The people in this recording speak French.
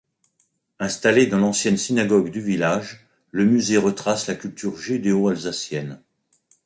Installé dans l'ancienne synagogue du village, le musée retrace la culture judéo-alsacienne.